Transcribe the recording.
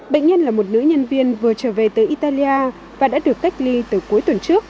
bệnh nhân là một nữ nhân viên vừa trở về tới italia và đã được cách ly từ cuối tuần trước